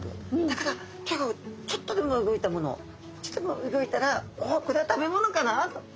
だからちょっとでも動いたものちょっとでも動いたら「おっこれは食べ物かな」と。